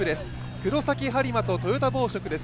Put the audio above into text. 黒崎播磨とトヨタ紡織です。